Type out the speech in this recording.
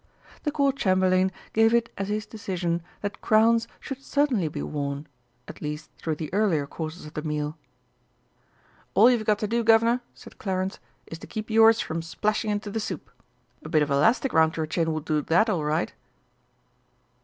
The Court Chamberlain gave it as his decision that crowns should certainly be worn at least through the earlier courses of the meal. "All you've got to do, Guv'nor," said Clarence, "is to keep yours from splashing into the soup. A bit of elastic round your chin would do that all right."